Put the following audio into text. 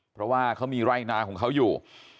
เพราะว่าเขามีไร่นาของเขาอยู่